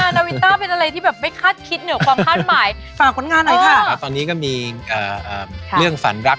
าวินต้าเป็นอะไรที่แบบไม่คาดคิดเหนือกว่าคาดหมาย